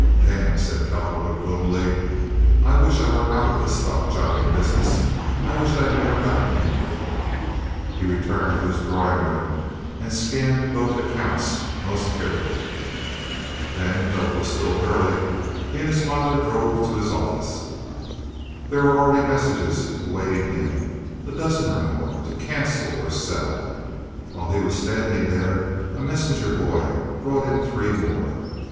"Damn!" said Cowperwood gloomily. "I wish I were out of this stock jobbing business. I wish I had never gotten into it." He returned to his drawing room and scanned both accounts most carefully. Then, though it was still early, he and his father drove to his office. There were already messages awaiting him, a dozen or more, to cancel or sell. While he was standing there a messenger boy brought him three more.